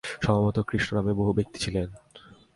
সম্ভবত কৃষ্ণ নামে বহু ব্যক্তি ছিলেন।